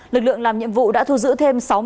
lực lượng làm nhiệm vụ đã thu giữ thêm